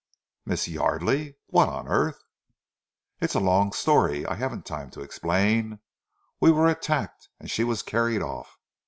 "Miss Yardely! What on earth " "It is a long story. I haven't time to explain. We were attacked and she was carried off.